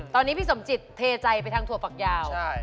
ตอนนี้พี่สมจิตเทใจไปทางถั่วฝักยาว